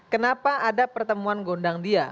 kenapa ada pertemuan gondang dia